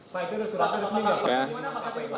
pak itu sudah berakhir